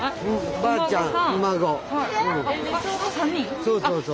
そうそうそう。